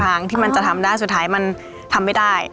ทางที่มันจะทำได้สุดท้ายมันทำไม่ได้